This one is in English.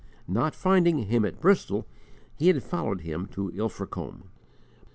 Not finding him at Bristol, he had followed him to Ilfracombe.